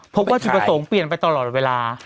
พบว่าจุดประสงค์เปลี่ยนไปตลอดเวลา